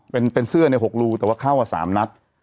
เป็นเสื้อเนี่ย๖รูแต่ว่าเข้าอ่ะ๓หนัก